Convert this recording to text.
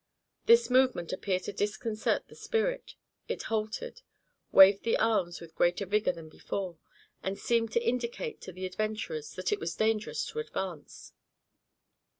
This movement appeared to disconcert the spirit. It halted, waved the arms with greater vigor than before, and seemed to indicate to the adventurers that it was dangerous to advance.